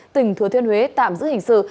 tỉnh thừa thiên huế tạm giữ hình sự